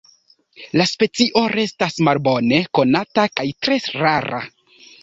La specio restas malbone konata kaj tre rara.